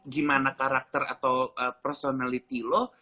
gimana karakter atau personality lo